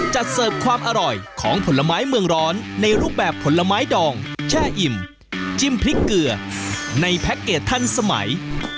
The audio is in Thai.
เสิร์ฟความอร่อยของผลไม้เมืองร้อนในรูปแบบผลไม้ดองแช่อิ่มจิ้มพริกเกลือในแพ็คเกจทันสมัย